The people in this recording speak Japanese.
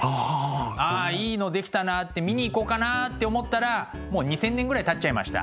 あいいの出来たなって見に行こうかなって思ったらもう２，０００年ぐらいたっちゃいました。